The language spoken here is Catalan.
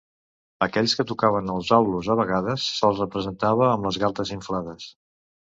Aquells que tocaven els aulos a vegades se'ls representava amb les galtes inflades.